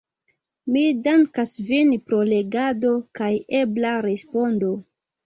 Mi dankas vin pro legado kaj ebla respondo.